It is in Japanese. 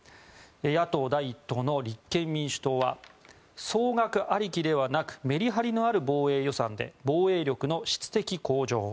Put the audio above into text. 野党第１党の立憲民主党は総額ありきではなくメリハリのある防衛予算で防衛力の質的向上。